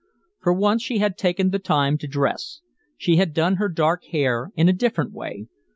For once she had taken time to dress. She had done her dark hair in a different way.